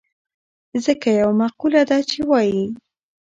ځکه يوه مقوله ده چې وايي.